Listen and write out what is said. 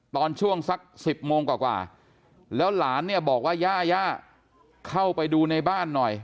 ตอนช่วงสัก๑๐โมงกว่าแล้วหลานเนี่ยบอกว่าย่าย่าเข้าไปดูในบ้านหน่อย